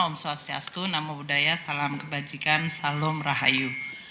om swastiastu namo buddhaya salam kebajikan salam rahayu